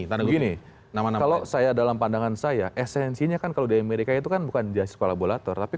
karena begini nama nama kalau saya dalam pandangan saya esensinya kan kalau di amerika itu kan bukan justice kolaborator tapi